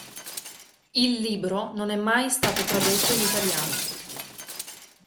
Il libro non è mai stato tradotto in italiano.